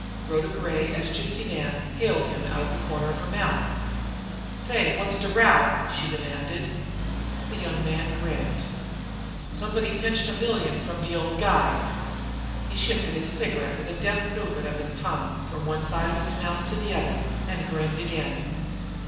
Rhoda Gray, as Gypsy Nan, hailed him out of the corner of her mouth. "Say, wot's de row?" she demanded. The young man grinned. "Somebody pinched a million from de old guy!" He shifted his cigarette with a deft movement of his tongue from one side of his mouth to the other, and grinned again.